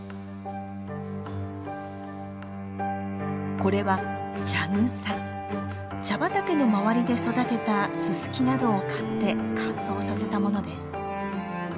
これは茶畑の周りで育てたススキなどを刈って乾燥させたものです。